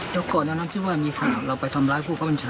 เจ้าโกรธแนะนำที่ว่ามีข่าวเราไปทำร้ายผู้บัญชา